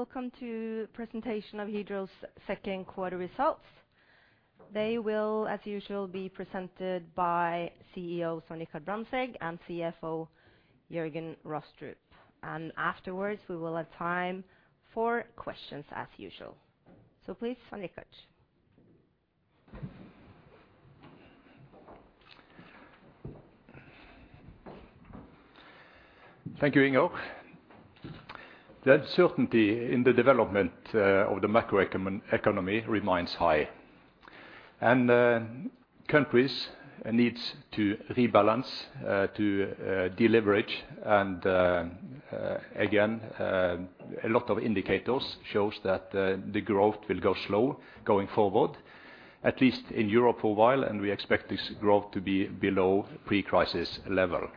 Welcome to presentation of Hydro's second quarter results. They will, as usual, be presented by CEO, Svein Richard Brandtzæg, and CFO Jørgen Rostrup. Afterwards, we will have time for questions as usual. Please, Svein Richard. Thank you, Inger. The uncertainty in the development of the macro economy remains high. Countries need to rebalance to deleverage, and again, a lot of indicators show that the growth will go slow going forward, at least in Europe for a while, and we expect this growth to be below pre-crisis level.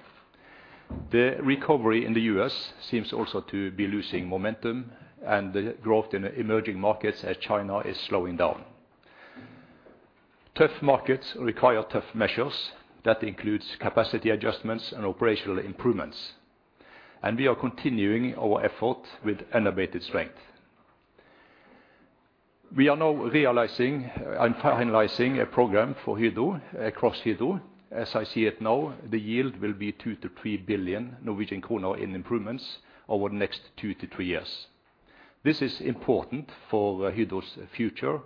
The recovery in the US seems also to be losing momentum, and the growth in emerging markets, as China, is slowing down. Tough markets require tough measures. That includes capacity adjustments and operational improvements, and we are continuing our effort with innovative strength. We are now realizing and finalizing a program for Hydro, across Hydro. As I see it now, the yield will be 2-3 billion Norwegian kroner in improvements over the next 2-3 years. This is important for Hydro's future,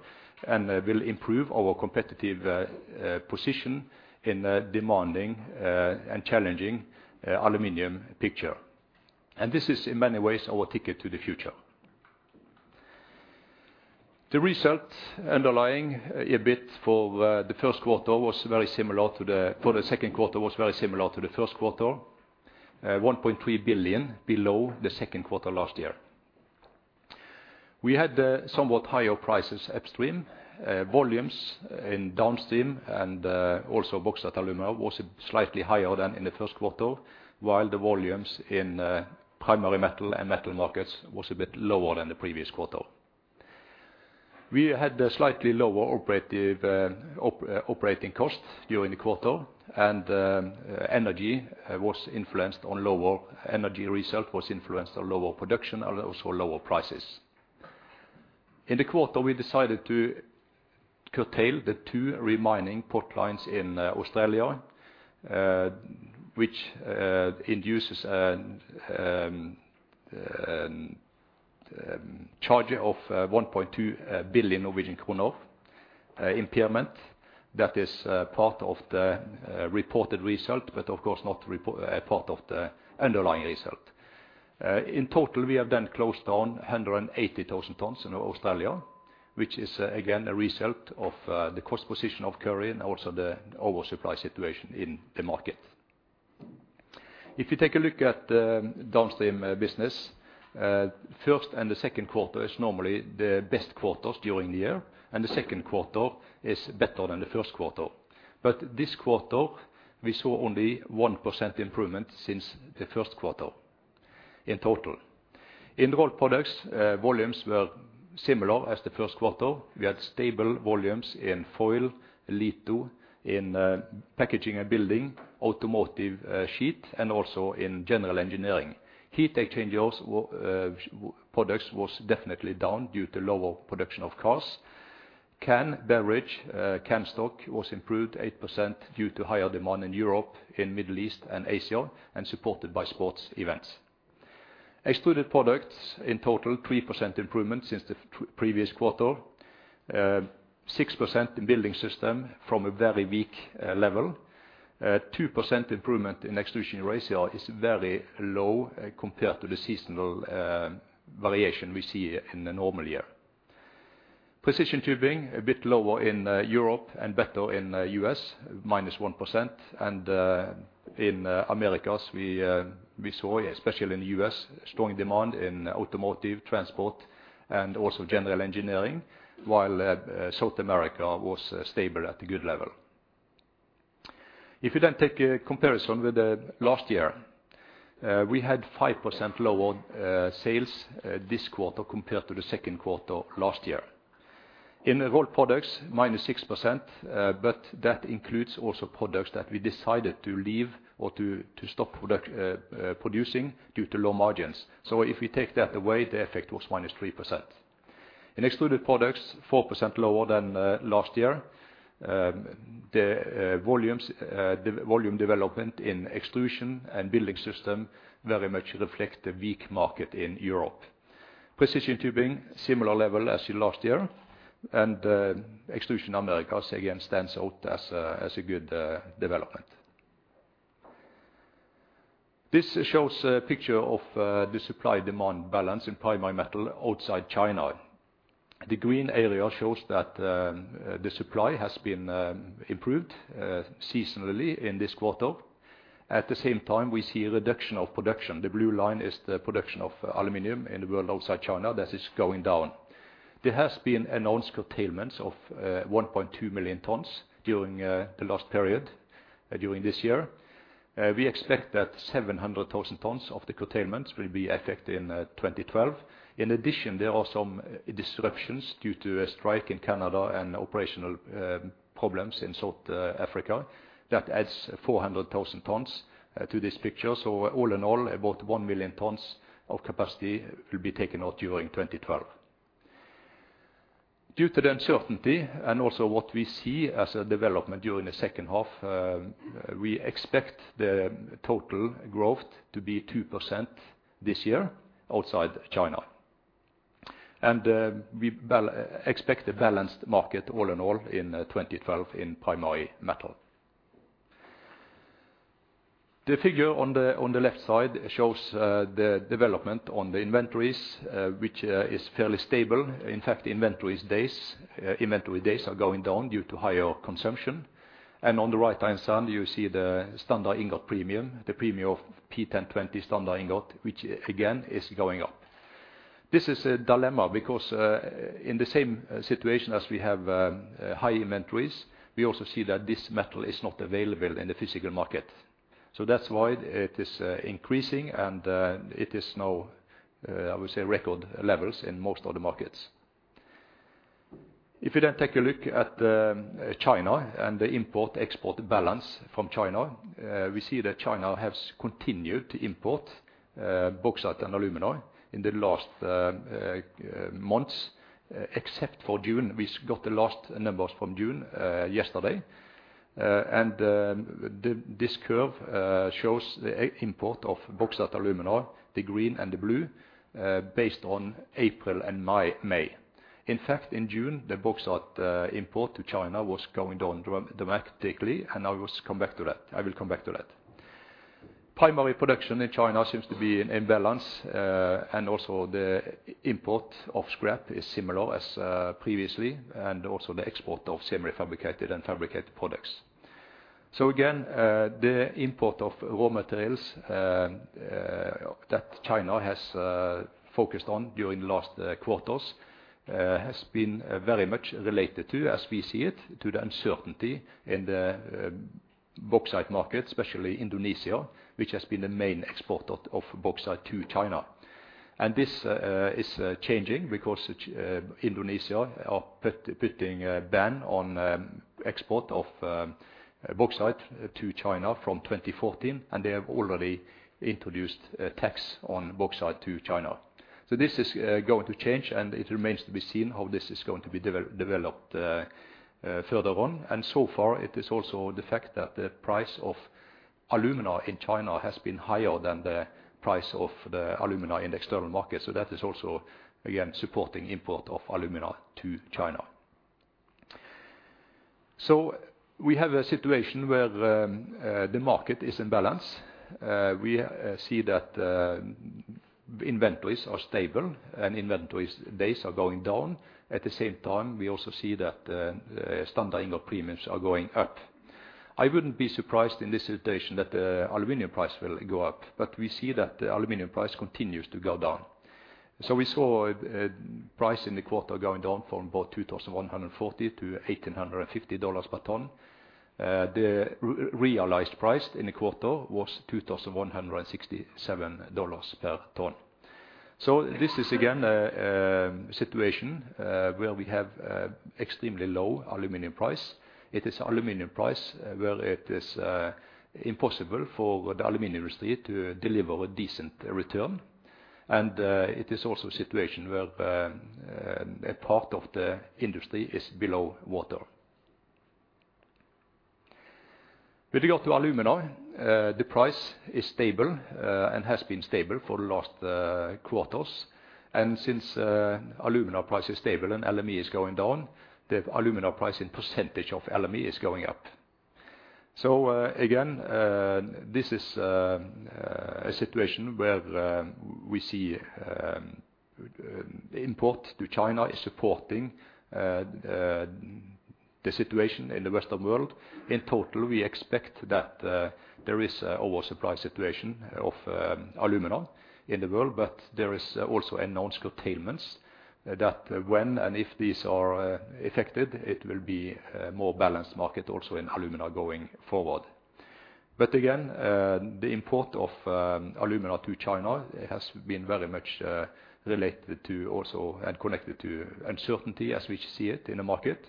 and will improve our competitive position in a demanding and challenging aluminum picture. This is, in many ways, our ticket to the future. The results underlying EBIT for the second quarter was very similar to the first quarter, 1.3 billion below the second quarter last year. We had somewhat higher prices upstream. Volumes in downstream and also Bauxite & Alumina was slightly higher than in the first quarter, while the volumes in primary metal and Metal Markets was a bit lower than the previous quarter. We had a slightly lower operating cost during the quarter, and energy result was influenced on lower production and also lower prices. In the quarter, we decided to curtail the two remaining pot lines in Australia, which induces a charge of 1.2 billion Norwegian kroner impairment. That is part of the reported result, but of course not part of the underlying result. In total, we have then closed down 180,000 tons in Australia, which is, again, a result of the cost position of Kurri Kurri and also the oversupply situation in the market. If you take a look at the downstream business, first and the second quarter is normally the best quarters during the year, and the second quarter is better than the first quarter. This quarter, we saw only 1% improvement since the first quarter in total. In Rolled Products, volumes were similar as the first quarter. We had stable volumes in foil, litho, packaging and building, automotive sheet, and also in general engineering. Heat exchanger's products was definitely down due to lower production of cars. Canned beverage can stock was improved 8% due to higher demand in Europe, Middle East and Asia, and supported by sports events. Extruded products, in total, 3% improvement since the previous quarter. 6% in Building Systems from a very weak level. 2% improvement in Extrusion Eurasia is very low compared to the seasonal variation we see in a normal year. Precision tubing, a bit lower in Europe and better in U.S., -1%. In Americas, we saw, especially in the U.S., strong demand in automotive, transport, and also general engineering, while South America was stable at a good level. If you then take a comparison with last year, we had 5% lower sales this quarter compared to the second quarter last year. In the Rolled Products, -6%, but that includes also products that we decided to leave or to stop producing due to low margins. If we take that away, the effect was -3%. In extruded products, 4% lower than last year. The volume development in extrusion and building system very much reflect the weak market in Europe. Precision tubing, similar level as in last year. Extrusion Americas, again, stands out as a good development. This shows a picture of the supply-demand balance in primary metal outside China. The green area shows that the supply has been improved seasonally in this quarter. At the same time, we see a reduction of production. The blue line is the production of aluminum in the world outside China. That is going down. There has been announced curtailments of 1.2 million tons during the last period during this year. We expect that 700,000 tons of the curtailments will be effective in 2012. In addition, there are some disruptions due to a strike in Canada and operational problems in South Africa. That adds 400,000 tons to this picture. All in all, about 1 million tons of capacity will be taken out during 2012. Due to the uncertainty and also what we see as a development during the second half, we expect the total growth to be 2% this year outside China. We expect a balanced market all in all in 2012 in primary metal. The figure on the left side shows the development on the inventories, which is fairly stable. In fact, inventory days are going down due to higher consumption. On the right-hand side, you see the standard ingot premium, the premium of P1020 standard ingot, which again is going up. This is a dilemma because in the same situation as we have, high inventories, we also see that this metal is not available in the physical market. That's why it is increasing, and, it is now, I would say, record levels in most of the markets. If you then take a look at, China and the import-export balance from China, we see that China has continued to import, bauxite and alumina in the last, months, except for June. We got the last numbers from June, yesterday. This curve shows the import of bauxite, alumina, the green and the blue, based on April and May. In fact, in June, the bauxite, import to China was going down dramatically, and I will come back to that. Primary production in China seems to be in balance, and also the import of scrap is similar as, previously, and also the export of semi-fabricated and fabricated products. Again, the import of raw materials that China has focused on during the last quarters has been very much related to, as we see it, to the uncertainty in the bauxite market, especially Indonesia, which has been the main exporter of bauxite to China. This is changing because it, Indonesia are putting a ban on export of bauxite to China from 2014, and they have already introduced a tax on bauxite to China. This is going to change, and it remains to be seen how this is going to be developed further on. So far, it is also the fact that the price of alumina in China has been higher than the price of the alumina in the external market. That is also, again, supporting import of alumina to China. We have a situation where the market is in balance. We see that inventories are stable and inventories days are going down. At the same time, we also see that standard ingot premiums are going up. I wouldn't be surprised in this situation that the aluminum price will go up, but we see that the aluminum price continues to go down. We saw a price in the quarter going down from about $2,140 to $1,850 per ton. The realized price in the quarter was $2,167 per ton. This is again a situation where we have extremely low aluminum price. It is aluminum price where it is impossible for the aluminum industry to deliver a decent return. It is also a situation where a part of the industry is below water. With regard to alumina, the price is stable and has been stable for the last quarters. Since alumina price is stable and LME is going down, the alumina price in percentage of LME is going up. Again, this is a situation where we see import to China is supporting the situation in the Western world. In total, we expect that there is an oversupply situation of alumina in the world, but there is also announced curtailments that when and if these are affected, it will be a more balanced market also in alumina going forward. Again, the import of alumina to China has been very much related to also and connected to uncertainty as we see it in the market.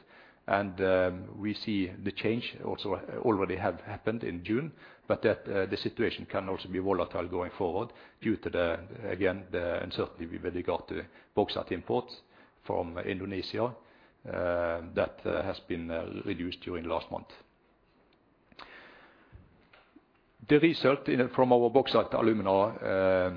We see the change also already have happened in June, but that the situation can also be volatile going forward due to, again, the uncertainty with regard to bauxite imports from Indonesia that has been reduced during last month. The result from our Bauxite & Alumina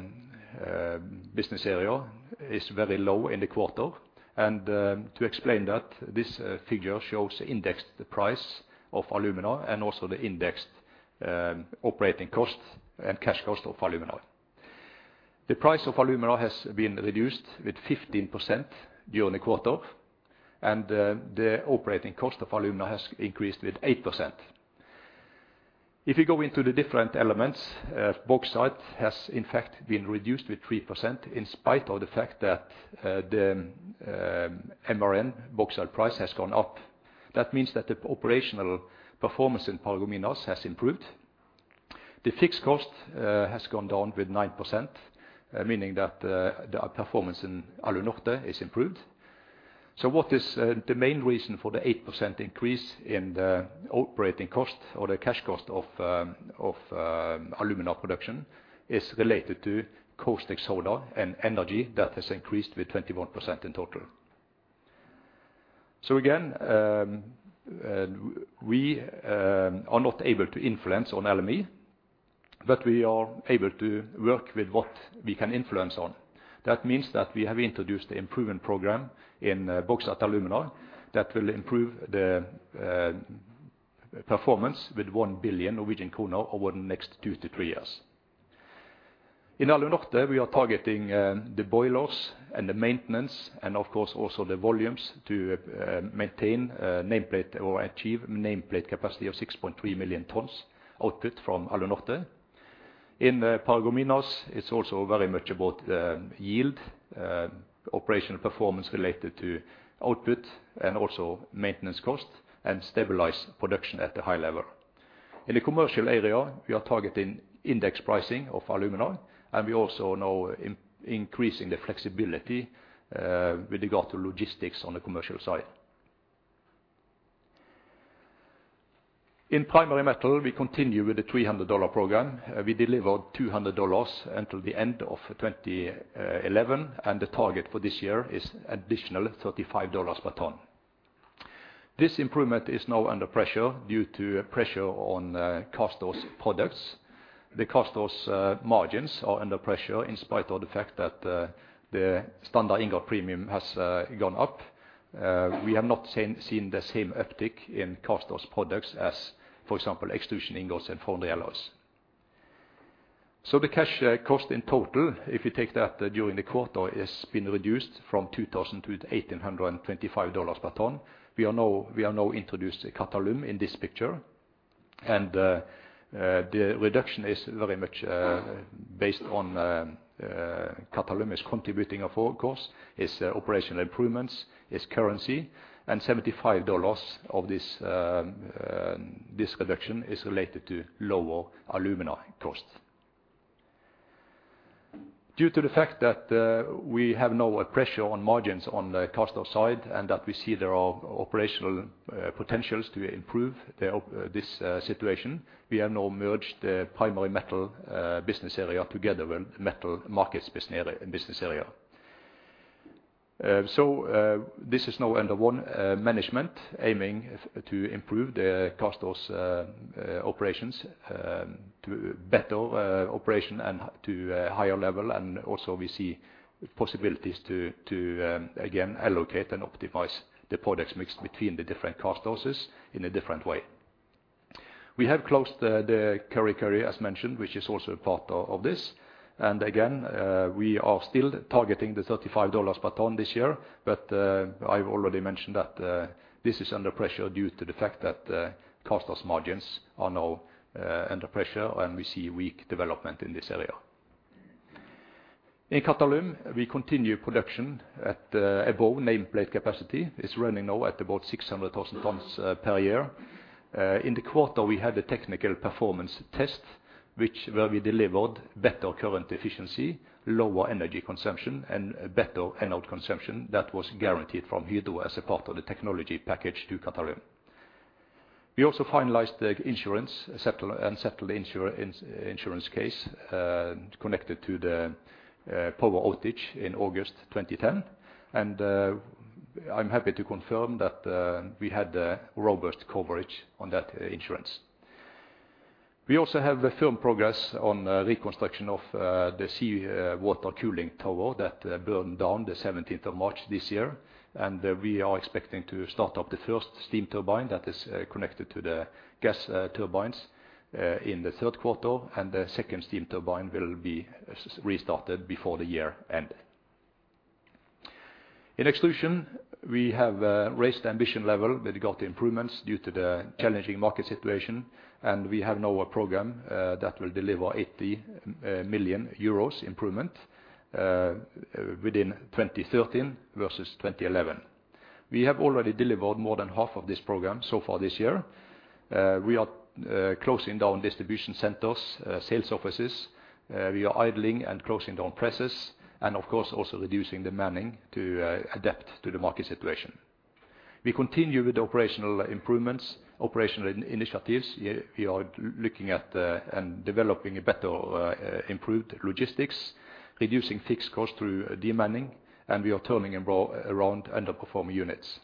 business area is very low in the quarter. To explain that, this figure shows the indexed price of alumina and also the indexed operating cost and cash cost of alumina. The price of alumina has been reduced with 15% during the quarter, and the operating cost of alumina has increased with 8%. If you go into the different elements, bauxite has in fact been reduced with 3% in spite of the fact that the MRN bauxite price has gone up. That means that the operational performance in Paragominas has improved. The fixed cost has gone down with 9%, meaning that the performance in Alunorte has improved. What is the main reason for the 8% increase in the operating cost or the cash cost of alumina production is related to caustic soda and energy that has increased with 21% in total. Again, we are not able to influence on LME, but we are able to work with what we can influence on. That means that we have introduced the improvement program in Bauxite alumina that will improve the performance with 1 billion Norwegian kroner over the next 2 to 3 years. In Alunorte, we are targeting the boilers and the maintenance, and of course also the volumes to maintain nameplate or achieve nameplate capacity of 6.3 million tons output from Alunorte. In Paragominas, it's also very much about yield, operational performance related to output and also maintenance cost and stabilize production at a high level. In the commercial area, we are targeting index pricing of alumina, and we also now increasing the flexibility with regard to logistics on the commercial side. In Primary Metal, we continue with the $300 program. We delivered $200 until the end of 2011, and the target for this year is additional $35 per ton. This improvement is now under pressure due to pressure on cast house products. The cast house margins are under pressure in spite of the fact that the standard ingot premium has gone up. We have not seen the same uptick in cast house products as, for example, extrusion ingots and foundry alloys. The cash cost in total, if you take that during the quarter, has been reduced from $2,000 to $1,825 per ton. We have now introduced Qatalum in this picture, and the reduction is very much based on Qatalum is contributing, of course. It's operational improvements, it's currency, and $75 of this reduction is related to lower alumina costs. Due to the fact that we have now a pressure on margins on the cast house side and that we see there are operational potentials to improve this situation, we have now merged the Primary Metal business area together with Metal Markets business area. This is now under one management aiming to improve the cast house operations to better operation and to a higher level. Also we see possibilities to again allocate and optimize the product mix between the different cast houses in a different way. We have closed the Kurri Kurri, as mentioned, which is also a part of this. We are still targeting the $35 per ton this year. I've already mentioned that this is under pressure due to the fact that cast house margins are now under pressure, and we see weak development in this area. In Qatalum, we continue production at above nameplate capacity. It's running now at about 600,000 tons per year. In the quarter, we had a technical performance test where we delivered better current efficiency, lower energy consumption, and better anode consumption that was guaranteed from Hydro as a part of the technology package to Qatalum. We also finalized the unsettled insurance case connected to the power outage in August 2010, and I'm happy to confirm that we had a robust coverage on that insurance. We also have a firm progress on reconstruction of the seawater cooling tower that burned down the seventeenth of March this year. We are expecting to start up the first steam turbine that is connected to the gas turbines in the third quarter, and the second steam turbine will be restarted before the year end. In Extrusion, we have raised the ambition level with regard to improvements due to the challenging market situation, and we have now a program that will deliver 80 million euros improvement within 2013 versus 2011. We have already delivered more than half of this program so far this year. We are closing down distribution centers, sales offices. We are idling and closing down presses and of course also reducing the manning to adapt to the market situation. We continue with operational improvements, operational initiatives. We are looking at and developing a better improved logistics, reducing fixed costs through de-manning, and we are turning around underperforming units.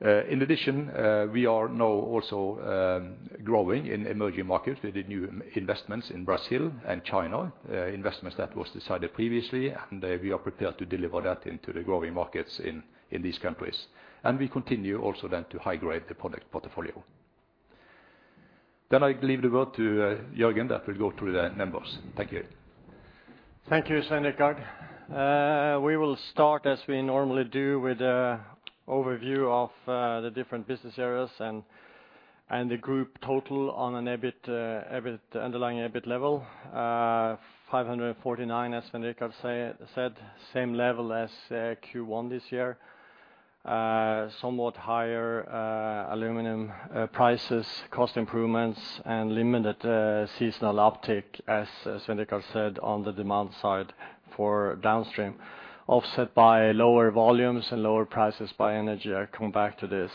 In addition, we are now also growing in emerging markets with the new investments in Brazil and China, investments that was decided previously, and we are prepared to deliver that into the growing markets in these countries. We continue also then to high-grade the product portfolio. I leave the word to Jørgen that will go through the numbers. Thank you. Thank you, Svein Richard Brandtzæg. We will start as we normally do with an overview of the different business areas and the group total on an underlying EBIT level. 549, as Svein Richard Brandtzæg said, same level as Q1 this year. Somewhat higher aluminum prices, cost improvements and limited seasonal uptick, as Svein Richard Brandtzæg said, on the demand side for downstream, offset by lower volumes and lower prices in energy. I come back to this.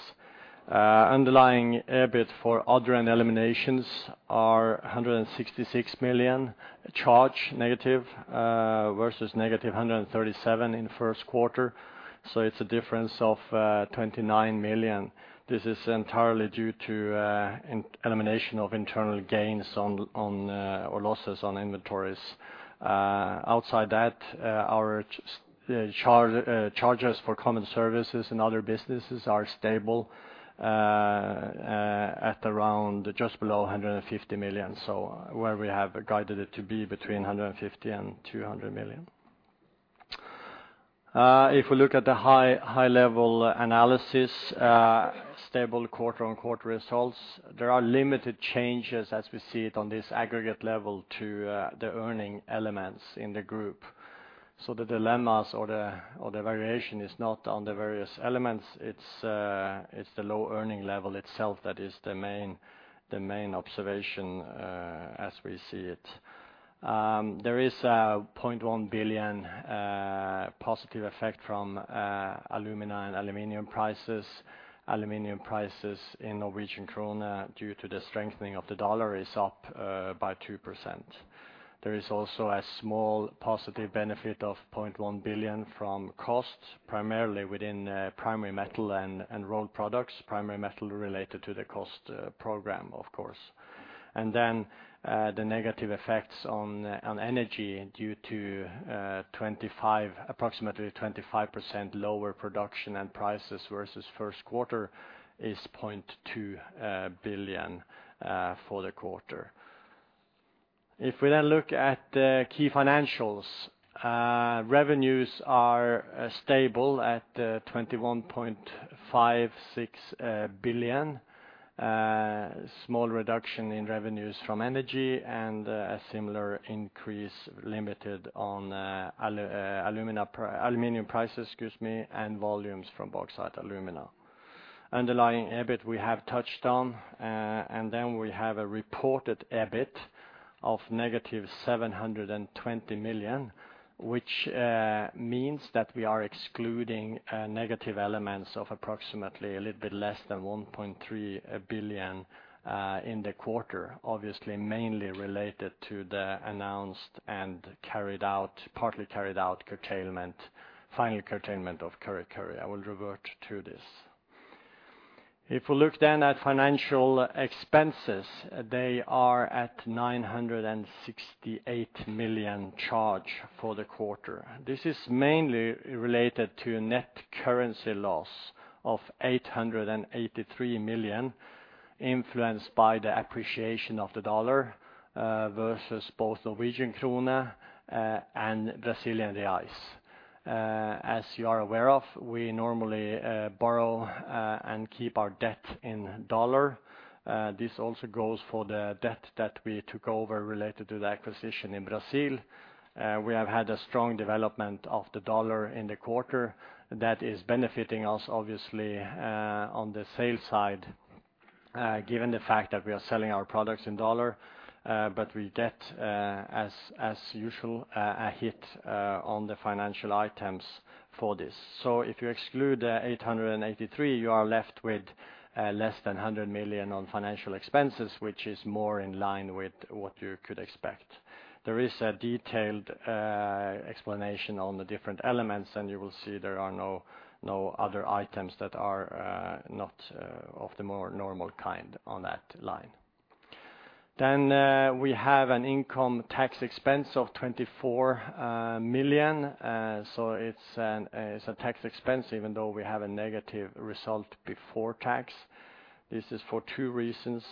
Underlying EBIT for other and eliminations is 166 million negative, versus negative 137 in first quarter. It's a difference of 29 million. This is entirely due to an elimination of internal gains or losses on inventories. Outside that, our charges for common services and other businesses are stable at around just below 150 million. Where we have guided it to be between 150 million and 200 million. If we look at the high level analysis, stable quarter-on-quarter results, there are limited changes as we see it on this aggregate level to the earnings elements in the group. The dynamics or the variation is not on the various elements, it's the low earnings level itself that is the main observation as we see it. There is a 0.1 billion positive effect from alumina and aluminum prices. Aluminum prices in Norwegian krone due to the strengthening of the dollar is up by 2%. There is also a small positive benefit of 0.1 billion from costs, primarily within primary metal and rolled products. Primary metal related to the cost program, of course. The negative effects on energy due to approximately 25% lower production and prices versus first quarter is 0.2 billion for the quarter. If we then look at key financials, revenues are stable at 21.56 billion. Small reduction in revenues from energy and a similar increase limited on aluminum prices, excuse me, and volumes from bauxite, alumina. Underlying EBIT we have touched on, and then we have a reported EBIT of -720 million, which means that we are excluding negative elements of approximately a little bit less than 1.3 billion in the quarter, obviously mainly related to the announced and carried out, partly carried out curtailment, final curtailment of Kurri Kurri. I will revert to this. If we look then at financial expenses, they are at 968 million charge for the quarter. This is mainly related to net currency loss of 883 million influenced by the appreciation of the dollar versus both Norwegian krone and Brazilian reais. As you are aware of, we normally borrow and keep our debt in dollar. This also goes for the debt that we took over related to the acquisition in Brazil. We have had a strong development of the dollar in the quarter that is benefiting us obviously on the sales side, given the fact that we are selling our products in dollar, but we get, as usual, a hit on the financial items for this. If you exclude the 883 million, you are left with less than 100 million on financial expenses, which is more in line with what you could expect. There is a detailed explanation on the different elements, and you will see there are no other items that are not of the more normal kind on that line. We have an income tax expense of 24 million. It's a tax expense even though we have a negative result before tax. This is for two reasons.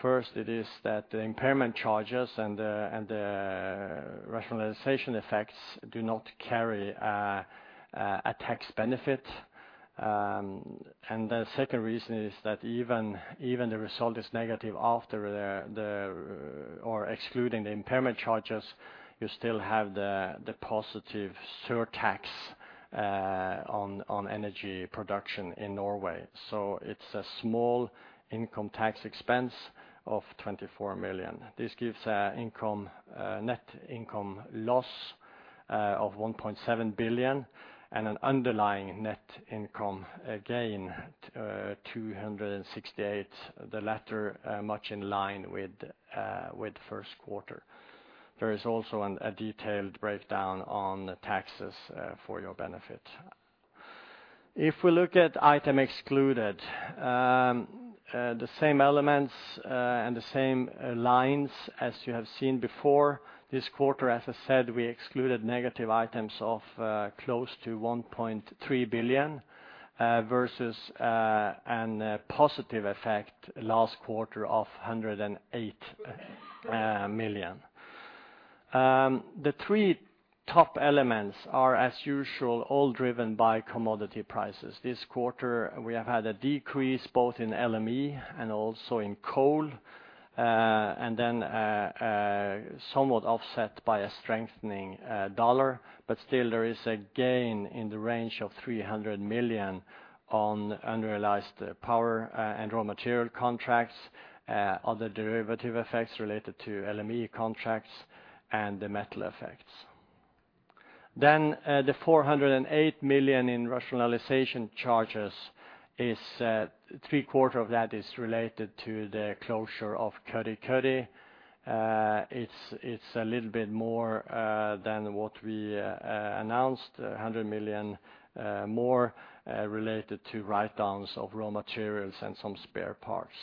First, it is that the impairment charges and the rationalization effects do not carry a tax benefit. The second reason is that even the result is negative after the or excluding the impairment charges, you still have the positive surtax on energy production in Norway. It's a small income tax expense of 24 million. This gives income net income loss of 1.7 billion and an underlying net income gain of 268 million, the latter much in line with first quarter. There is also a detailed breakdown on the taxes for your benefit. If we look at item excluded, the same elements and the same lines as you have seen before. This quarter, as I said, we excluded negative items of close to 1.3 billion versus a positive effect last quarter of 108 million. The three top elements are, as usual, all driven by commodity prices. This quarter, we have had a decrease both in LME and also in coke, and then somewhat offset by a strengthening US dollar, but still there is a gain in the range of 300 million on unrealized power and raw material contracts, other derivative effects related to LME contracts and the metal effects. The 408 million in rationalization charges is three-quarters of that is related to the closure of Kurri Kurri. It's a little bit more than what we announced, 100 million more, related to write-downs of raw materials and some spare parts.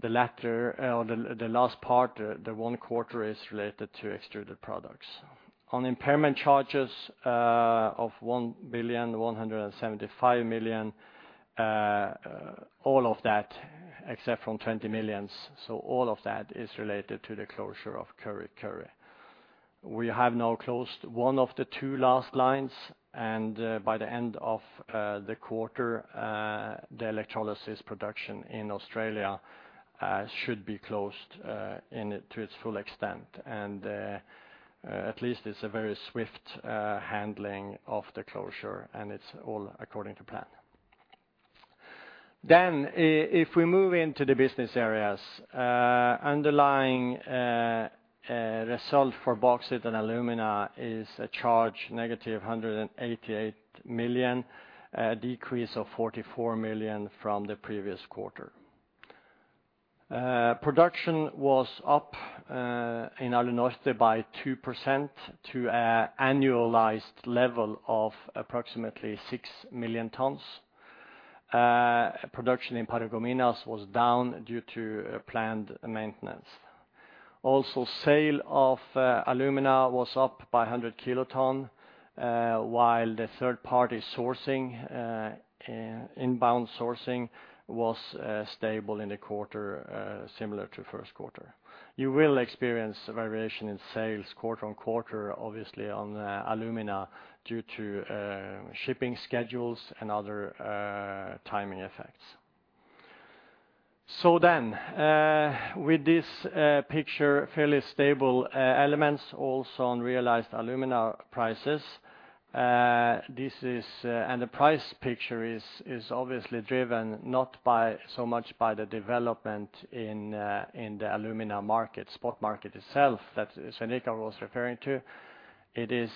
The latter or the last part, the one quarter is related to extruded products. On impairment charges of 1.175 billion, all of that except from 20 million, so all of that is related to the closure of Kurri Kurri. We have now closed one of the two last lines, and by the end of the quarter, the electrolysis production in Australia should be closed into its full extent. At least it's a very swift handling of the closure, and it's all according to plan. If we move into the business areas, underlying result for Bauxite & Alumina is a charge of -188 million, decrease of 44 million from the previous quarter. Production was up in Alunorte by 2% to an annualized level of approximately 6 million tons. Production in Paragominas was down due to a planned maintenance. Also, sale of alumina was up by 100 kilotons, while the third-party sourcing, inbound sourcing was stable in the quarter, similar to first quarter. You will experience a variation in sales quarter-on-quarter, obviously on the alumina due to shipping schedules and other timing effects. With this picture fairly stable key elements also on realized alumina prices, this is. The price picture is obviously driven not so much by the development in the alumina market, spot market itself that Svein was referring to. It is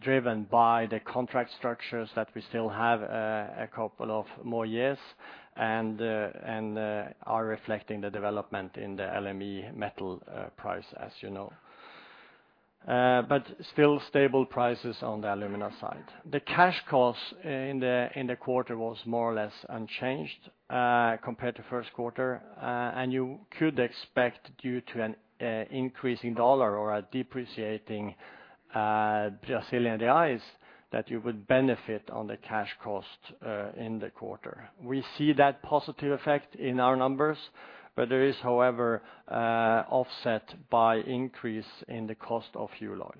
driven by the contract structures that we still have a couple of more years and are reflecting the development in the LME metal price, as you know. Still stable prices on the alumina side. The cash costs in the quarter was more or less unchanged compared to first quarter. You could expect due to an increasing US dollar or a depreciating Brazilian reais that you would benefit on the cash cost in the quarter. We see that positive effect in our numbers, but there is, however, offset by increase in the cost of fuel oil.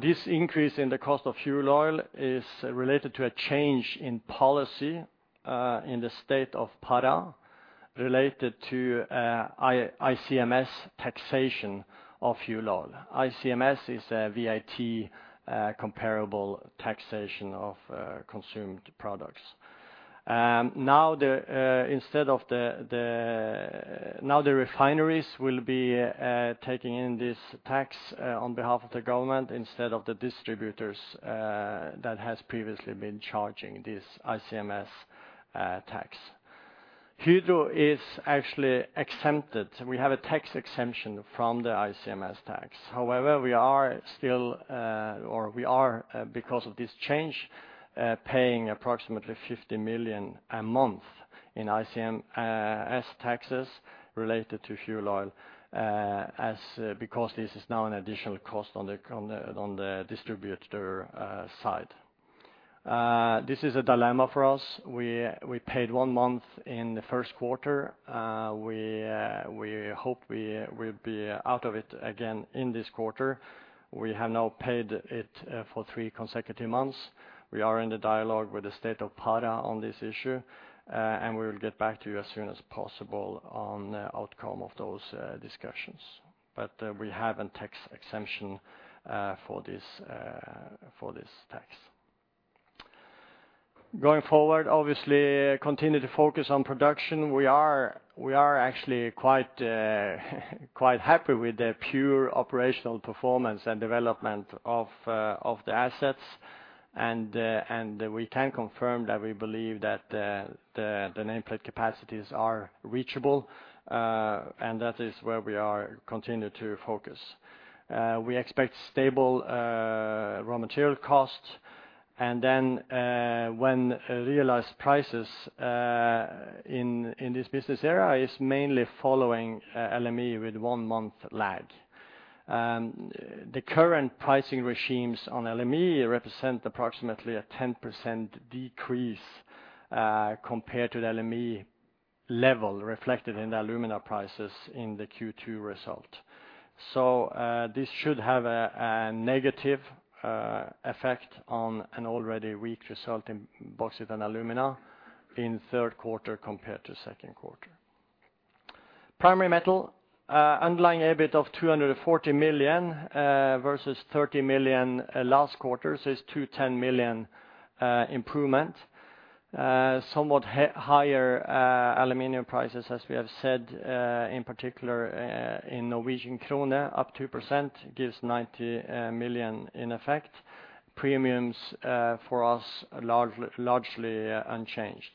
This increase in the cost of fuel oil is related to a change in policy in the state of Pará related to ICMS taxation of fuel oil. ICMS is a VAT comparable taxation of consumed products. Now the refineries will be taking in this tax on behalf of the government instead of the distributors that has previously been charging this ICMS tax. Hydro is actually exempted. We have a tax exemption from the ICMS tax. However, we are because of this change paying approximately 50 million a month in ICMS taxes related to fuel oil because this is now an additional cost on the distributor side. This is a dilemma for us. We paid one month in the first quarter. We hope we will be out of it again in this quarter. We have now paid it for three consecutive months. We are in the dialogue with the state of Pará on this issue, and we will get back to you as soon as possible on the outcome of those discussions. We have a tax exemption for this tax. Going forward, obviously, continue to focus on production. We are actually quite happy with the pure operational performance and development of the assets. We can confirm that we believe that the nameplate capacities are reachable, and that is where we are continue to focus. We expect stable raw material costs. When realized prices in this business area are mainly following LME with one month lag. The current pricing regimes on LME represent approximately a 10% decrease compared to the LME level reflected in the alumina prices in the Q2 result. This should have a negative effect on an already weak result in Bauxite and Alumina in third quarter compared to second quarter. Primary metal underlying EBIT of 240 million versus 30 million last quarter. It's 210 million improvement. Somewhat higher aluminum prices, as we have said, in particular in Norwegian krone, up 2% gives 90 million in effect. Premiums for us largely unchanged.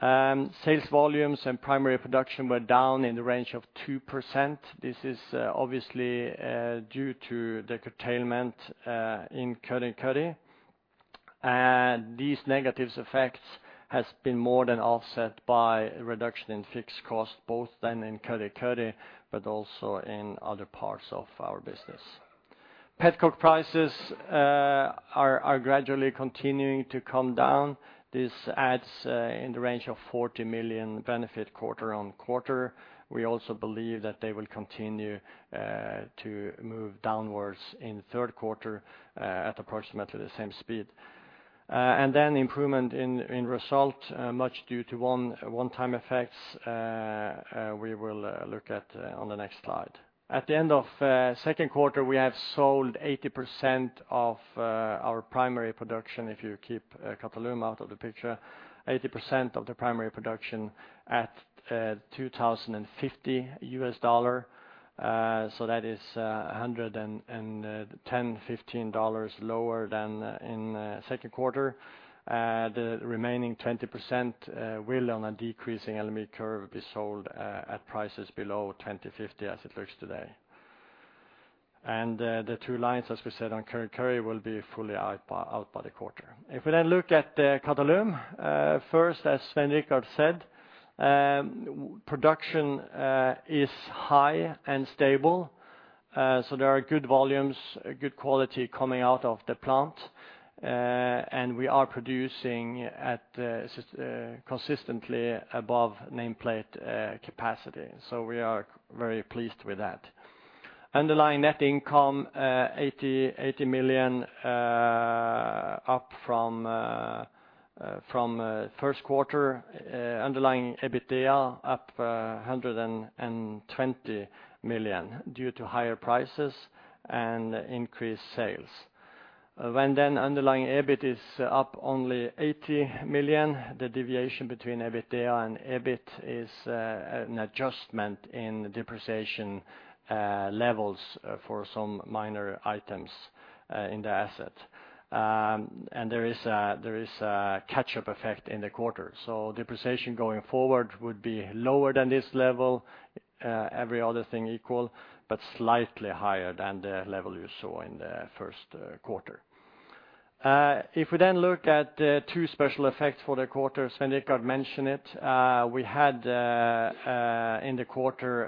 Sales volumes and primary production were down in the range of 2%. This is obviously due to the curtailment in Kurri Kurri. These negative effects have been more than offset by a reduction in fixed costs, both in Kurri Kurri, but also in other parts of our business. Petcoke prices are gradually continuing to come down. This adds in the range of 40 million benefit quarter-on-quarter. We also believe that they will continue to move downwards in the third quarter at approximately the same speed. Improvement in result much due to one-time effects we will look at on the next slide. At the end of second quarter, we have sold 80% of our primary production, if you keep Qatalum out of the picture, 80% of the primary production at $2,050. That is $110-$115 lower than in second quarter. The remaining 20% will on a decreasing aluminum curve be sold at prices below 2,050 as it looks today. The two lines, as we said on Kurri Kurri, will be fully out by the quarter. If we look at Qatalum first, as Svein Richard said, production is high and stable. There are good volumes, good quality coming out of the plant. We are producing consistently above nameplate capacity. We are very pleased with that. Underlying net income 80 million, up from first quarter. Underlying EBITDA up 120 million due to higher prices and increased sales. While the underlying EBIT is up only 80 million, the deviation between EBITDA and EBIT is an adjustment in depreciation levels for some minor items in the asset. There is a catch-up effect in the quarter. Depreciation going forward would be lower than this level, every other thing equal, but slightly higher than the level you saw in the first quarter. If we then look at two special effects for the quarter, Svein Richard mentioned it, we had in the quarter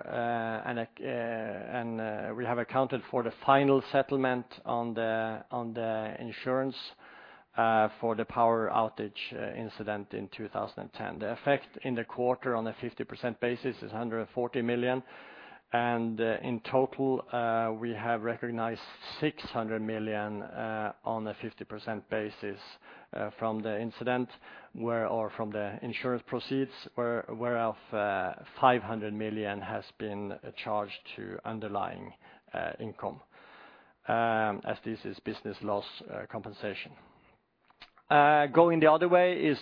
and we have accounted for the final settlement on the insurance for the power outage incident in 2010. The effect in the quarter on a 50% basis is 140 million. In total, we have recognized 600 million on a 50% basis from the incident or from the insurance proceeds, whereof 500 million has been charged to underlying income as this is business loss compensation. Going the other way is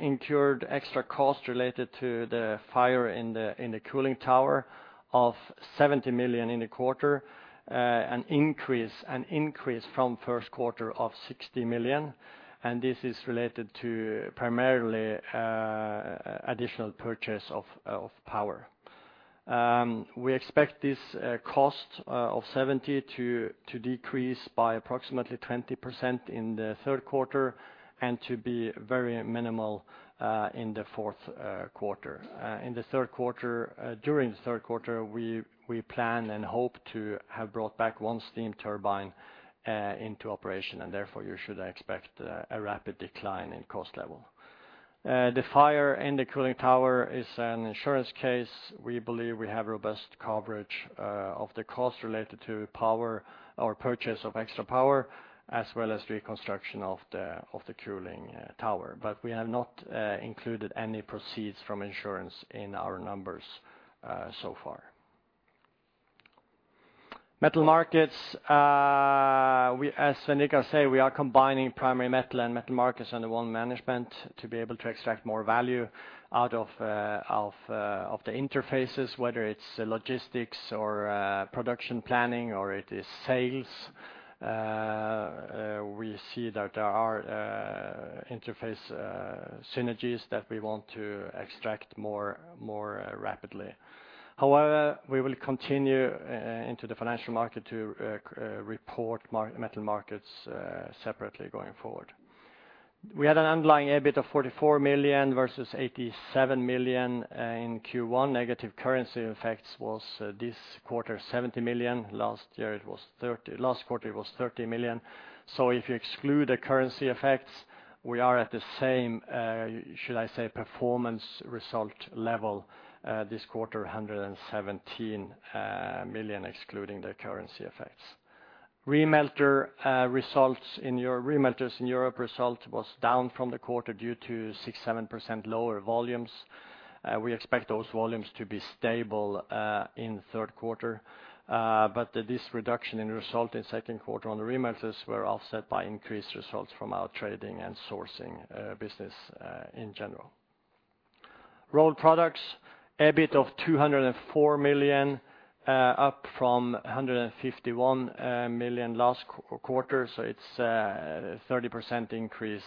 incurred extra cost related to the fire in the cooling tower of 70 million in the quarter, an increase from first quarter of 60 million, and this is related to primarily additional purchase of power. We expect this cost of 70 million to decrease by approximately 20% in the third quarter and to be very minimal in the fourth quarter. In the third quarter, during the third quarter, we plan and hope to have brought back one steam turbine into operation, and therefore you should expect a rapid decline in cost level. The fire in the cooling tower is an insurance case. We believe we have robust coverage of the cost related to power or purchase of extra power, as well as reconstruction of the cooling tower. We have not included any proceeds from insurance in our numbers so far. Metal Markets, as Svein Richard Brandtzæg says, we are combining Primary Metal and Metal Markets under one management to be able to extract more value out of the interfaces, whether it's logistics or production planning or it is sales. We see that there are interface synergies that we want to extract more rapidly. However, we will continue in the financial reporting to report Metal Markets separately going forward. We had an underlying EBIT of 44 million versus 87 million in Q1. Negative currency effects was this quarter 70 million. Last quarter it was 30 million. If you exclude the currency effects, we are at the same, should I say, performance result level this quarter, 117 million, excluding the currency effects. Remelters in Europe results were down from the quarter due to 6-7% lower volumes. We expect those volumes to be stable in the third quarter. This reduction in result in second quarter on remelters were offset by increased results from our trading and sourcing business in general. Rolled Products, EBIT of 204 million, up from 151 million last quarter. It's a 30% increase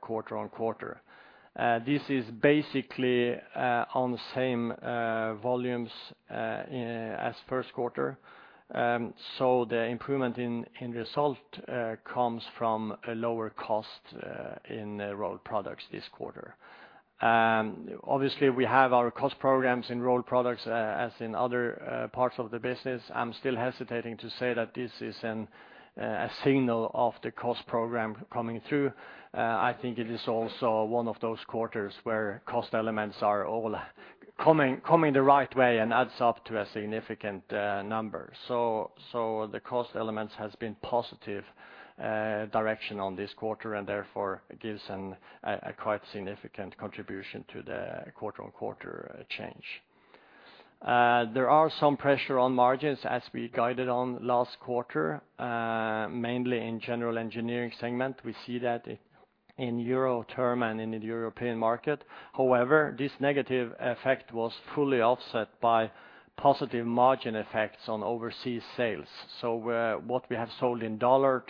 quarter on quarter. This is basically on the same volumes as first quarter. The improvement in result comes from a lower cost in Rolled Products this quarter. Obviously we have our cost programs in Rolled Products as in other parts of the business. I'm still hesitating to say that this is a signal of the cost program coming through. I think it is also one of those quarters where cost elements are all coming the right way and adds up to a significant number. The cost elements has been positive direction on this quarter and therefore gives a quite significant contribution to the quarter-on-quarter change. There are some pressure on margins as we guided on last quarter, mainly in general engineering segment. We see that in euro terms and in the European market. However, this negative effect was fully offset by positive margin effects on overseas sales. What we have sold in dollars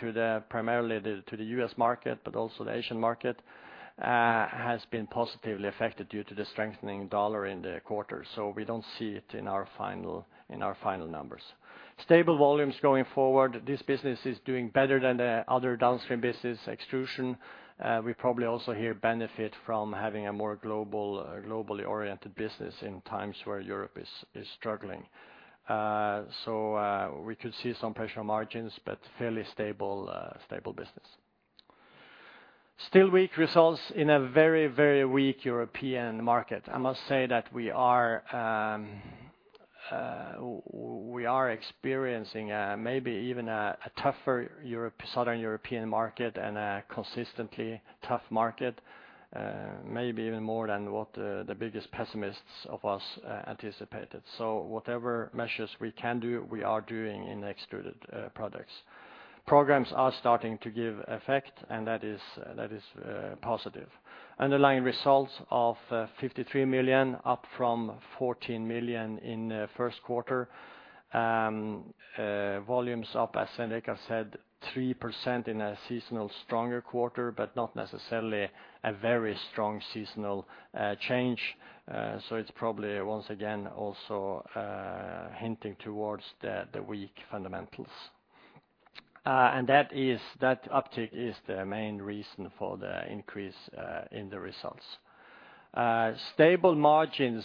primarily to the US market, but also the Asian market, has been positively affected due to the strengthening dollar in the quarter. We don't see it in our final numbers. Stable volumes going forward. This business is doing better than the other downstream business Extrusion. We probably also here benefit from having a more globally oriented business in times where Europe is struggling. We could see some pressure on margins, but fairly stable business. Still weak results in a very weak European market. I must say that we are experiencing maybe even a tougher European, Southern European market and a consistently tough market, maybe even more than what the biggest pessimists of us anticipated. Whatever measures we can do, we are doing in extruded products. Programs are starting to give effect, and that is positive. Underlying results of 53 million, up from 14 million in first quarter. Volumes up, as Svein Richard has said, 3% in a seasonal stronger quarter, but not necessarily a very strong seasonal change. It's probably once again also hinting towards the weak fundamentals. That uptick is the main reason for the increase in the results. Stable margins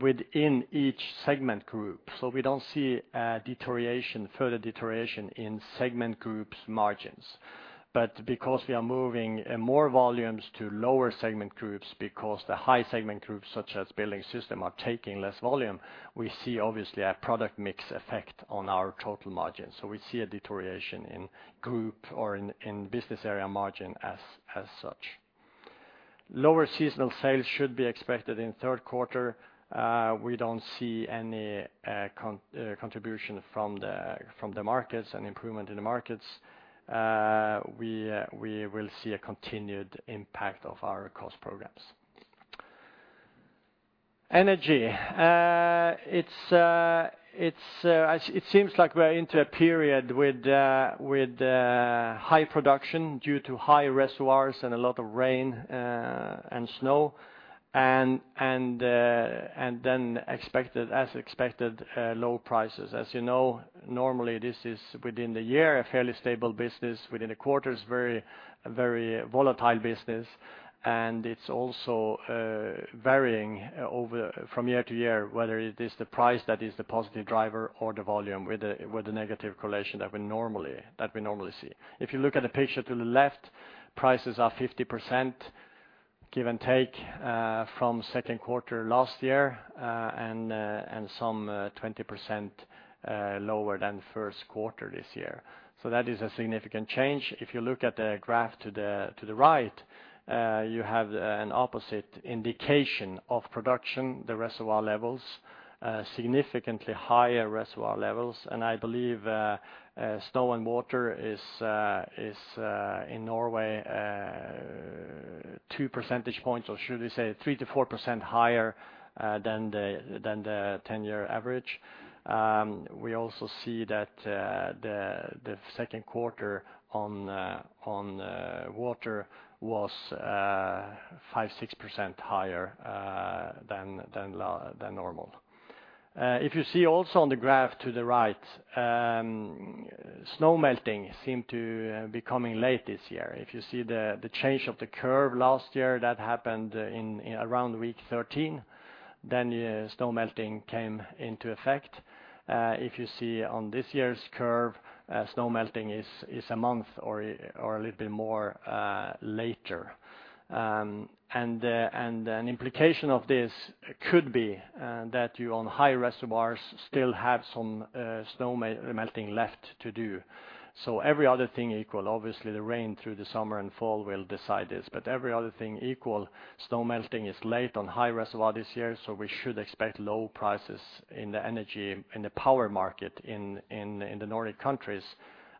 within each segment group. We don't see a deterioration, further deterioration in segment groups' margins. Because we are moving more volumes to lower segment groups because the high segment groups, such as Building Systems, are taking less volume, we see obviously a product mix effect on our total margins. We see a deterioration in group or in business area margin as such. Lower seasonal sales should be expected in third quarter. We don't see any contribution from the markets and improvement in the markets. We will see a continued impact of our cost programs. Energy. It seems like we're into a period with high production due to high reservoirs and a lot of rain and snow and then expected, as expected, low prices. As you know, normally, this is within the year, a fairly stable business. Within a quarter, it's very, very volatile business, and it's also varying from year to year, whether it is the price that is the positive driver or the volume with a negative correlation that we normally see. If you look at the picture to the left, prices are 50%, give and take, from second quarter last year, and some 20% lower than first quarter this year. That is a significant change. If you look at the graph to the right, you have an opposite indication of production, the reservoir levels, significantly higher reservoir levels. I believe snow and water is in Norway two percentage points, or should we say 3%-4% higher, than the 10-year average. We also see that the second quarter on water was 5%-6% higher than normal. If you see also on the graph to the right, snow melting seemed to be coming late this year. If you see the change of the curve last year, that happened in around week 13, then the snow melting came into effect. If you see on this year's curve, snow melting is a month or a little bit more later. An implication of this. It could be that on high reservoirs you still have some snow melting left to do. Every other thing equal, obviously the rain through the summer and fall will decide this, but every other thing equal, snow melting is late on high reservoir this year, so we should expect low prices in the energy in the power market in the Nordic countries,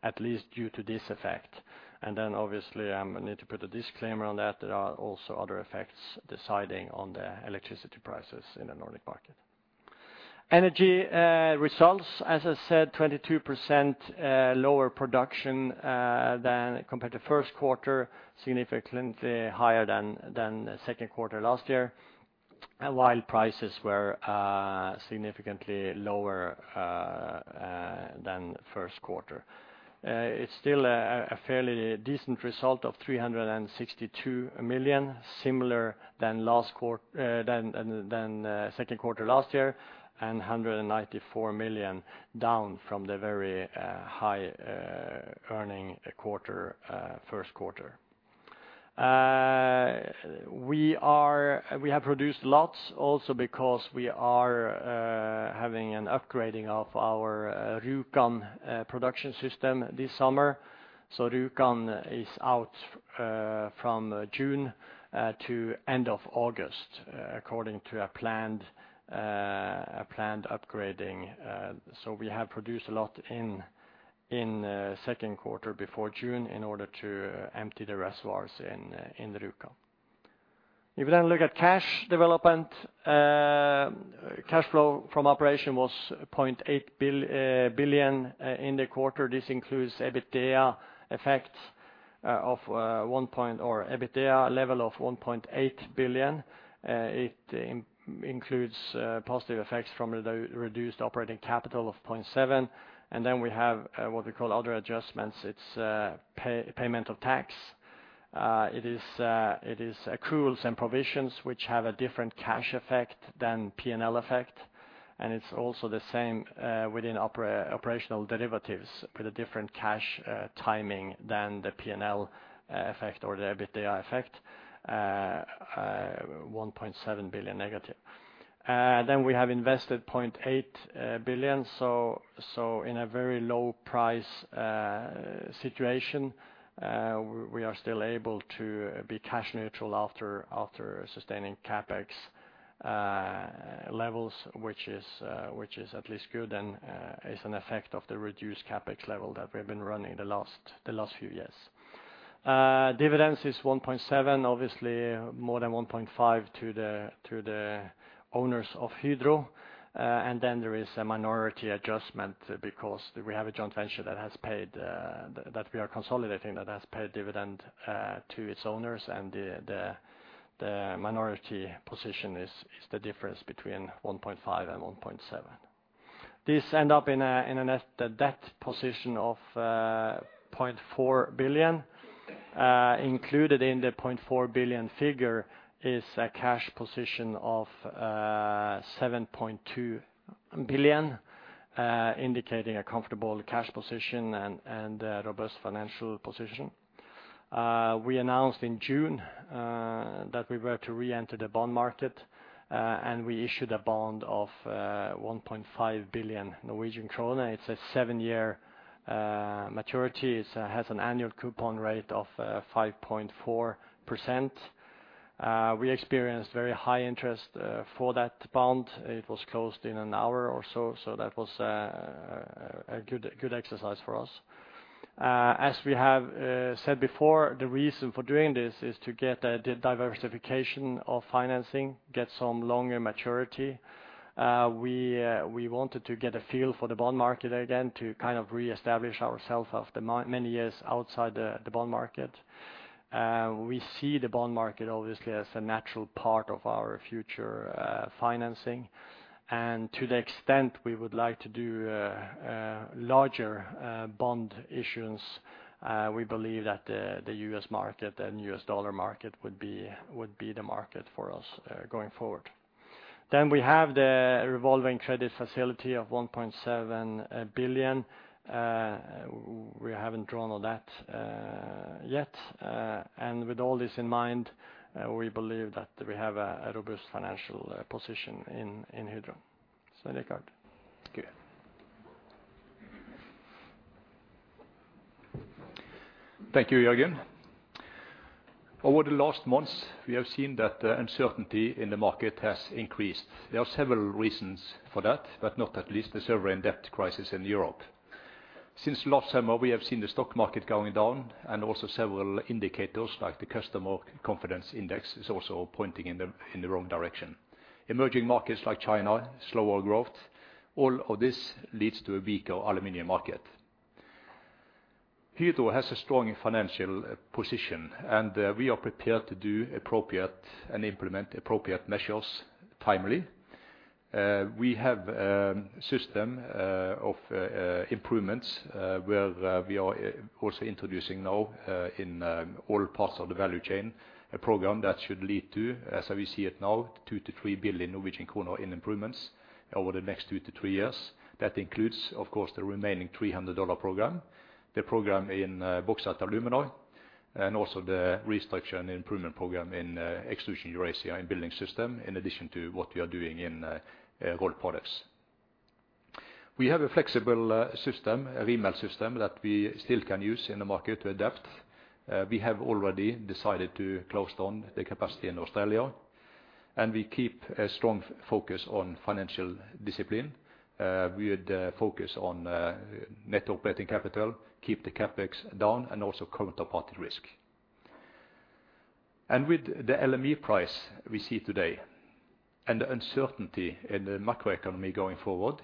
at least due to this effect. Then obviously, I need to put a disclaimer on that there are also other effects deciding on the electricity prices in the Nordic market. Energy results, as I said, 22% lower production than compared to first quarter, significantly higher than the second quarter last year, while prices were significantly lower than the first quarter. It's still a fairly decent result of 362 million, similar to second quarter last year, and 194 million down from the very high earning quarter, first quarter. We have produced lots also because we are having an upgrading of our Rjukan production system this summer. Rjukan is out from June to end of August, according to a planned upgrading. We have produced a lot in second quarter before June in order to empty the reservoirs in the Rjukan. If you then look at cash development, cash flow from operation was 0.8 billion in the quarter. This includes EBITDA effects of one point. EBITDA level of 1.8 billion. It includes positive effects from the reduced operating capital of 0.7 billion. Then we have what we call other adjustments. It's payment of tax. It is accruals and provisions which have a different cash effect than P&L effect, and it's also the same within operational derivatives with a different cash timing than the P&L effect or the EBITDA effect, 1.7 billion negative. We have invested 0.8 billion, so in a very low price situation, we are still able to be cash neutral after sustaining CapEx levels, which is at least good and is an effect of the reduced CapEx level that we have been running the last few years. Dividends is 1.7 billion, obviously more than 1.5 billion to the owners of Hydro. There is a minority adjustment because we have a joint venture that we are consolidating that has paid dividend to its owners, and the minority position is the difference between 1.5 billion and 1.7 billion. This end up in a net debt position of 0.4 billion. Included in the 0.4 billion figure is a cash position of 7.2 billion, indicating a comfortable cash position and a robust financial position. We announced in June that we were to re-enter the bond market, and we issued a bond of 1.5 billion Norwegian krone. It's a 7-year maturity. It has an annual coupon rate of 5.4%. We experienced very high interest for that bond. It was closed in an hour or so that was a good exercise for us. As we have said before, the reason for doing this is to get the diversification of financing, get some longer maturity. We wanted to get a feel for the bond market again to kind of reestablish ourself after many years outside the bond market. We see the bond market obviously as a natural part of our future financing. To the extent we would like to do larger bond issuance, we believe that the U.S. market and U.S. dollar market would be the market for us going forward. We have the revolving credit facility of 1.7 billion. We haven't drawn on that yet. With all this in mind, we believe that we have a robust financial position in Hydro. Svein Richard. Thank you. Thank you, Jørgen. Over the last months, we have seen that the uncertainty in the market has increased. There are several reasons for that, but not least the sovereign debt crisis in Europe. Since last summer, we have seen the stock market going down and also several indicators like the consumer confidence index is also pointing in the wrong direction. Emerging markets like China, slower growth, all of this leads to a weaker aluminum market. Hydro has a strong financial position, and we are prepared to do appropriate and implement appropriate measures timely. We have system of improvements where we are also introducing now in all parts of the value chain a program that should lead to, as we see it now, 2-3 billion Norwegian kroner in improvements over the next 2-3 years. That includes, of course, the remaining $300 program, the program in Bauxite & Alumina, and also the restructure and improvement program in Extrusion Eurasia and Building Systems, in addition to what we are doing in Rolled Products. We have a flexible system, a VML system, that we still can use in the market to adapt. We have already decided to close down the capacity in Australia, and we keep a strong focus on financial discipline. We would focus on net operating capital, keep the CapEx down, and also counterparty risk. With the LME price we see today and the uncertainty in the macroeconomy going forward,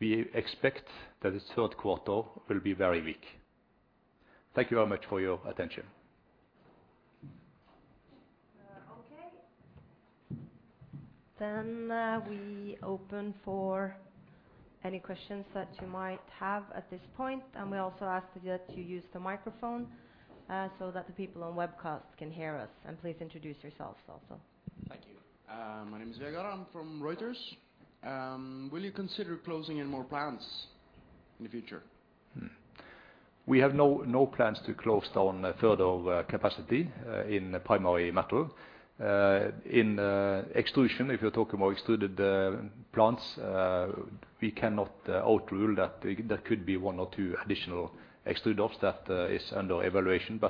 we expect that the third quarter will be very weak. Thank you very much for your attention. Okay. We open for any questions that you might have at this point, and we also ask that you use the microphone, so that the people on webcast can hear us. Please introduce yourselves also. Thank you. My name is Vegard. I'm from Reuters. Will you consider closing any more plants in the future? We have no plans to close down further capacity in Aluminium Metal. In Extrusion, if you're talking about extrusion plants, we cannot overrule that. There could be one or two additional extrusion ops that is under evaluation.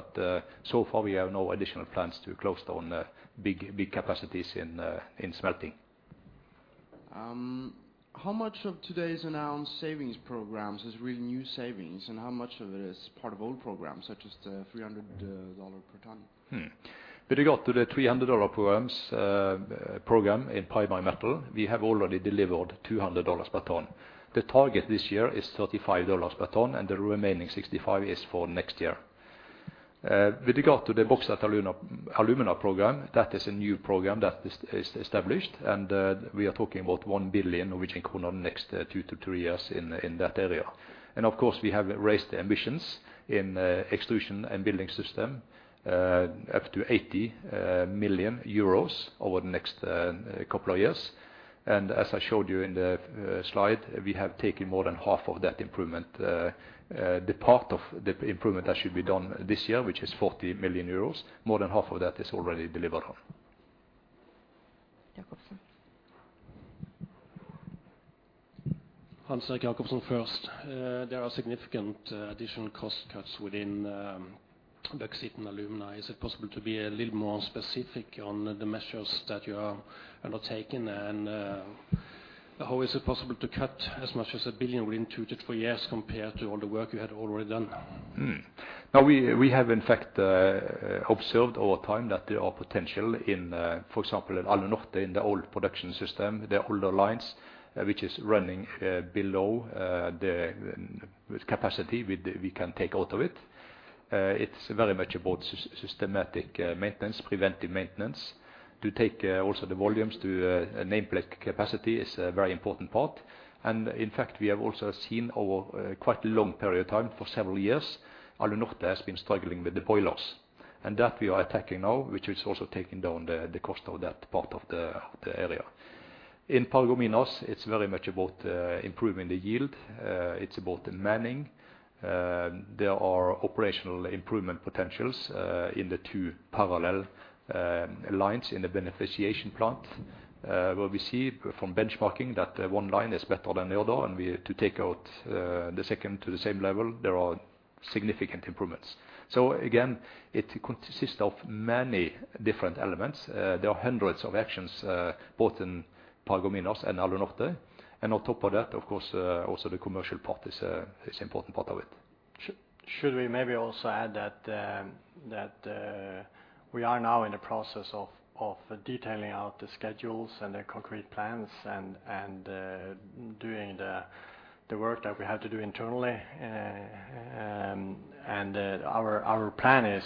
So far we have no additional plans to close down big capacities in smelting. How much of today's announced savings programs is really new savings, and how much of it is part of old programs, such as the $300 per ton? With regard to the $300 program in Aluminium Metal, we have already delivered $200 per ton. The target this year is $35 per ton, and the remaining 65 is for next year. With regard to the Bauxite & Alumina program, that is a new program that is established, and we are talking about 1 billion Norwegian kroner next 2-3 years in that area. Of course, we have raised ambitions in Extrusion and Building Systems up to 80 million euros over the next couple of years. As I showed you in the slide, we have taken more than half of that improvement. The part of the improvement that should be done this year, which is 40 million euros, more than half of that is already delivered on. Jacobsen. Hans Erik Jacobsen first. There are significant additional cost cuts within Bauxite & Alumina. Is it possible to be a little more specific on the measures that you are undertaking? How is it possible to cut as much as 1 billion within 2-3 years compared to all the work you had already done? No, we have, in fact, observed over time that there are potential in, for example, in Alunorte, in the old production system, the older lines, which is running below the capacity we can take out of it. It's very much about systematic maintenance, preventive maintenance. To take also the volumes to nameplate capacity is a very important part. In fact, we have also seen over quite a long period of time, for several years, Alunorte has been struggling with the boilers. That we are attacking now, which is also taking down the cost of that part of the area. In Paragominas, it's very much about improving the yield. It's about the manning. There are operational improvement potentials in the two parallel lines in the beneficiation plant, where we see from benchmarking that one line is better than the other, and we are to take out the second to the same level. There are significant improvements. Again, it consists of many different elements. There are hundreds of actions both in Paragominas and Alunorte. On top of that, of course, also the commercial part is an important part of it. Should we maybe also add that we are now in the process of detailing out the schedules and the concrete plans and doing the work that we have to do internally. Our plan is,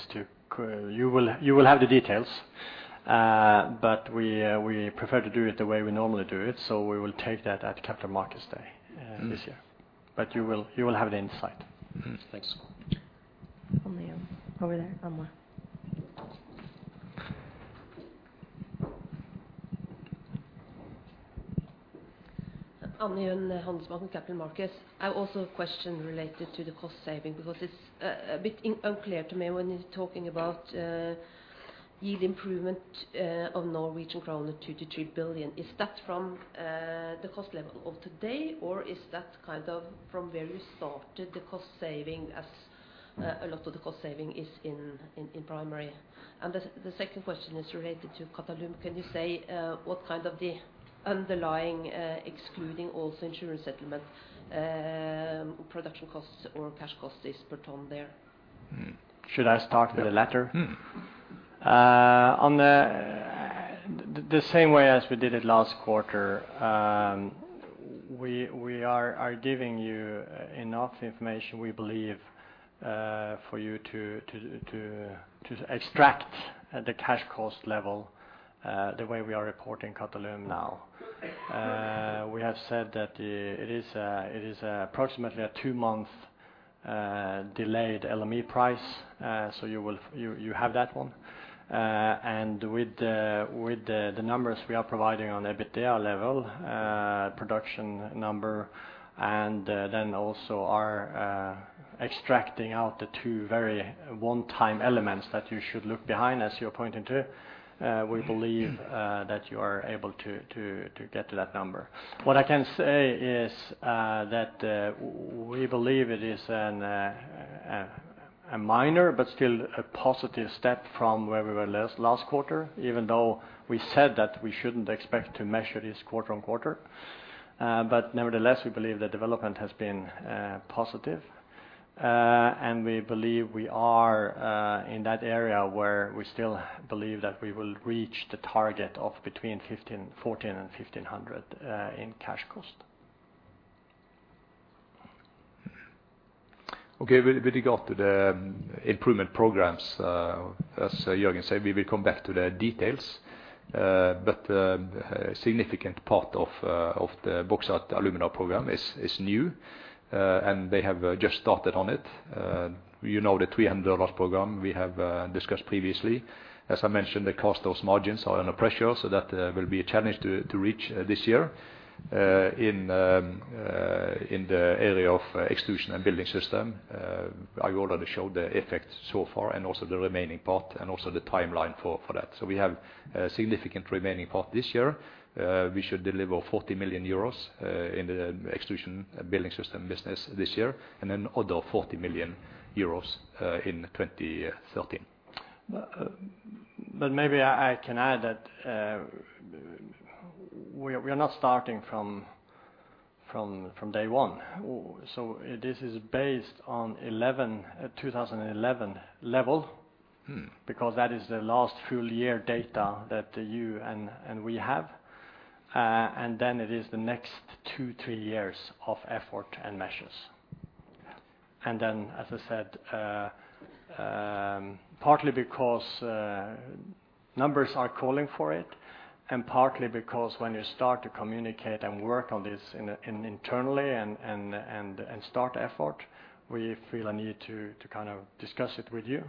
you will have the details, but we prefer to do it the way we normally do it, so we will take that at Capital Markets Day this year. Hmm. You will have the insight. Thanks. Over there, Anne-Mette. I also have a question related to the cost saving, because it's a bit unclear to me when you're talking about yield improvement of 2 billion-3 billion Norwegian krone. Is that from the cost level of today, or is that kind of from where you started the cost saving, as a lot of the cost saving is in Primary? The second question is related to Qatalum. Can you say what kind of the underlying, excluding also insurance settlement, production costs or cash costs is per ton there? Hmm. Should I start with the latter? Hmm. In the same way as we did it last quarter, we are giving you enough information, we believe, for you to extract the cash cost level, the way we are reporting Qatalum now. We have said that it is approximately a two-month delayed LME price, so you have that one. With the numbers we are providing on EBITDA level, production number, and then also extracting out the two very one-time elements that you should look beyond, as you're pointing to, we believe that you are able to get to that number. What I can say is that we believe it is a minor, but still a positive step from where we were last quarter, even though we said that we shouldn't expect to measure this quarter-on-quarter. Nevertheless, we believe the development has been positive. We believe we are in that area where we still believe that we will reach the target of between 1,400 and 1,500 in cash cost. Okay. With regard to the improvement programs, as Jørgen said, we will come back to the details. Significant part of the Bauxite & Alumina program is new, and they have just started on it. You know the $300 program we have discussed previously. As I mentioned, the costs and margins are under pressure, so that will be a challenge to reach this year. In the area of extrusion and building systems, I already showed the effects so far, and also the remaining part, and also the timeline for that. We have a significant remaining part this year. We should deliver 40 million euros in the extrusion and building systems business this year, and then other 40 million euros in 2013. Maybe I can add that we're not starting from day one. This is based on 2011 level. Mm. Because that is the last full year data that you and we have. It is the next 2, 3 years of effort and measures. Yeah. As I said, partly because numbers are calling for it, and partly because when you start to communicate and work on this internally and start effort, we feel a need to kind of discuss it with you.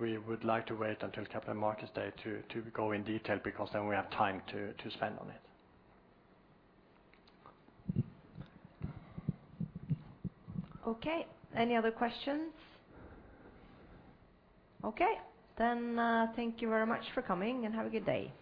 We would like to wait until Capital Markets Day to go in detail, because then we have time to spend on it. Okay. Any other questions? Okay. Thank you very much for coming, and have a good day.